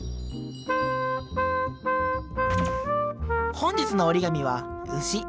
本日の折り紙はうし。